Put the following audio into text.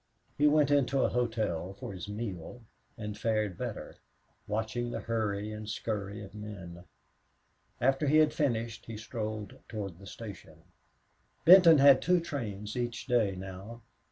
He went into a hotel for his meal and fared better, watching the hurry and scurry of men. After he had finished he strolled toward the station. Benton had two trains each day now.